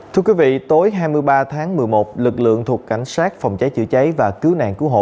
thưa quý vị tối hai mươi ba tháng một mươi một lực lượng thuộc cảnh sát phòng cháy chữa cháy và cứu nạn cứu hộ